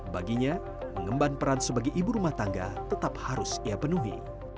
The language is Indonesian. baginya mengemban peran sebagai ibu rumah tangga tetap harus ia penuhi